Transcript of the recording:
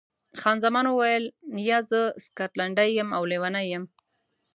خان زمان وویل، یا، زه سکاټلنډۍ یم او لیونۍ یم.